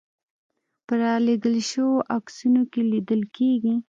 په رالېږل شویو عکسونو کې لیدل کېږي.